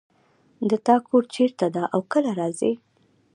د تا کور چېرته ده او کله راځې